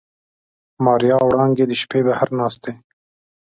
ماريا او وړانګې د شپې بهر ناستې.